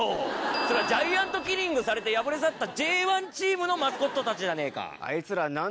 それジャイアントキリングされて敗れ去ったＪ１チームのマスコットたちじゃねえか！